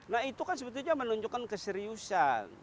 nah itu kan sebetulnya menunjukkan keseriusan